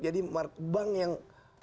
jadi bank yang